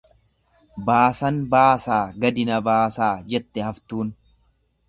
Baasan baasaa gadi na baasaa jette haftuun.